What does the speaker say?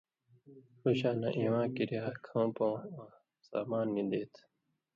ݜُو شاناں اِواں کِریا کھؤں پوں آں سامان نیۡ دے تھہ۔